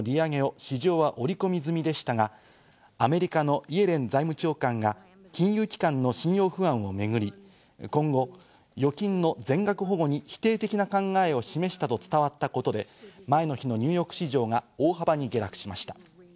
ＦＲＢの利上げを市場は織り込み済みでしたがアメリカのイエレン財務長官が金融機関の信用不安をめぐり、今後、預金の全額保護に否定的な考えを示したと伝わったことで、前の日のニューヨーク市場が大幅に下落しました。